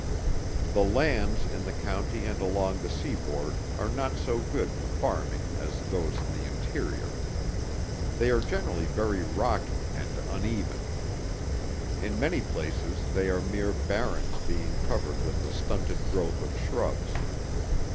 The lands, in the county and along the sea board are not so good for farming as those in the interior. They are generally very rocky and uneven. In many places they are mere barrens being covered with a stunted growth of shrubs.